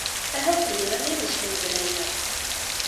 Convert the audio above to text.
Ahat d yemma-m i am-islemden aya?